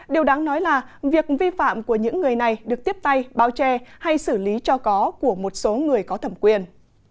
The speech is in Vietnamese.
điều đáng nói là việc vi phạm của những người này được tiếp tay báo che hay xử lý cho có của một số người có thẩm quyền